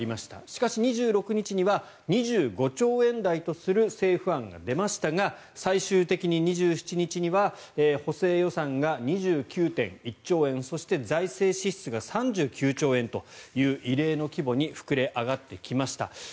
しかし、２６日には２５兆円台とする政府案が出ましたが最終的に２７日には補正予算が２９．１兆円そして財政支出が３９兆円という異例の規模に膨れ上がってきました。